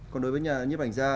còn đối với nhiếp ảnh ra